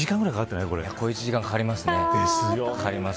小１時間かかりますね。